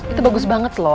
itu bagus banget loh